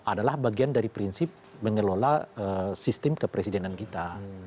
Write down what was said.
adalah bagian dari prinsip mengelola sistem kepresidenan kita